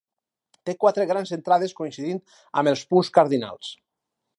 Té quatre grans entrades coincidint amb els punts cardinals.